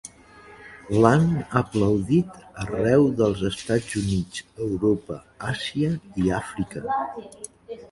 L'han aplaudit arreu dels Estats Units, Europa, Àsia i Àfrica.